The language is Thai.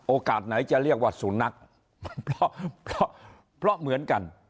โอกาสไหนจะเรียกว่าสุนักเพราะเหมือนกัน